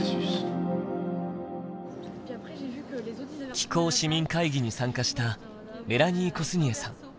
気候市民会議に参加したメラニー・コスニエさん。